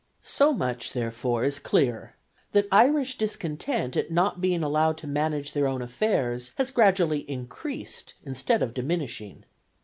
So much, therefore, is clear, that Irish discontent at not being allowed to manage their own affairs has gradually increased instead of diminishing.